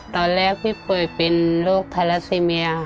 ตอนแรกพี่ป่วยเป็นโรคทาราซิเมีย